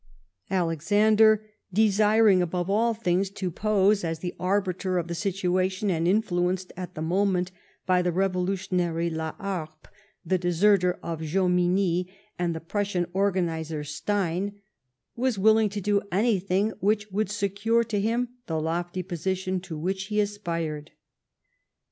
Alexander, desiring above all things to pose as the arbiter of the situation, and influenced at the moment by the revolutionary Laliarpe, the deserter Jomini, and the Prussian organiser Stein, was willing to do anything which should secure to him the lofty position to which he aspired.